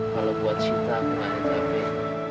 kalau buat sinta aku gak ada capek